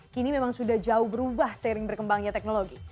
kini memang sudah jauh berubah seiring berkembangnya teknologi